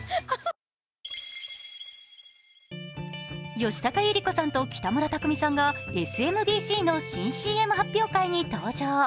吉高由里子さんと北村匠海さんがＳＭＢＣの新ＣＭ発表会に登場。